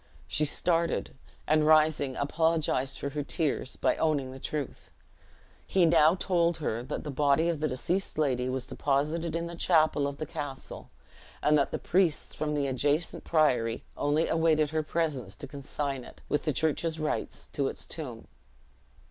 She started, and rising, apologized for her tears by owning the truth. He now told her, that the body of the deceased lady was deposited in the chapel of the castle; and that the priests from the adjacent priory only awaited her presence to consign it, with the church's rites, to its tomb.